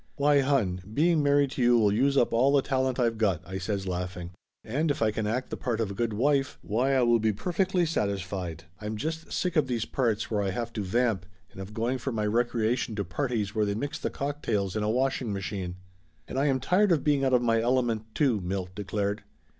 "Why, hon, being married to you will use up all the talent I've got!" I says, laughing. "And if I can act the part of a good wife, why I will be perfectly satis fied. I'm just sick of these parts where I have to vamp, 332 Laughter Limited and of going for my recreation to parties where they mix the cocktails in a washing machine !" "And I am tired of being out of my element too!" Milt declared.